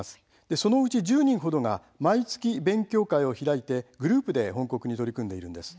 そのうち１０人程が毎月集まってグループで翻刻に取り組んでいるんです。